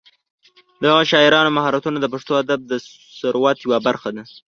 د هغه شاعرانه مهارتونه د پښتو ادب د ثروت یوه برخه ده.